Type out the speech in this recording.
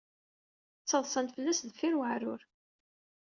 Ttaḍsan fell-as deffir weɛrur.